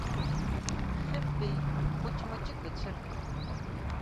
Хьырбеихәыҷымҷык ицәыргеит.